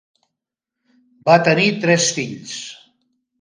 Va tenir tres fills.